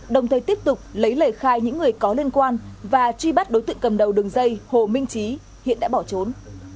đồng thời tiếp tục lấy lời khai những người có liên quan và truy bắt đối tượng cầm đầu đường dây hồ minh trí hiện đã bỏ trốn